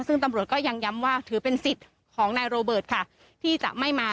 ซึ่งตำรวจก็ยังย้ำว่าถือเป็นสิทธิ์ของนายโรเบิร์ตค่ะที่จะไม่มา